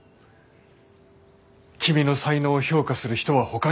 君の才能を評価する人はほかにもいる。